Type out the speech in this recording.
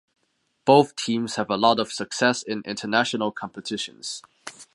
Both teams have a lot of success in international competitions.